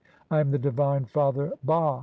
(4) "I am the divine father Bah